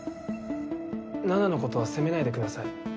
奈々のことは責めないでください。